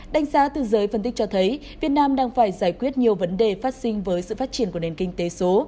đánh giá từ giới phân tích cho thấy việt nam đang phải giải quyết nhiều vấn đề phát sinh với sự phát triển của nền kinh tế số